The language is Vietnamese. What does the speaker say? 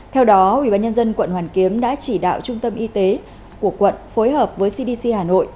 theo đó ubnd quận hoàn kiếm đã chỉ đạo trung tâm y tế của quận phối hợp với cdc hà nội